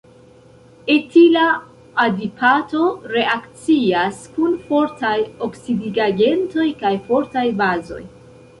Etila adipato reakcias kun fortaj oksidigagentoj kaj fortaj bazoj.